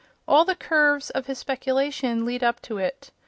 All the curves of his speculation lead up to it.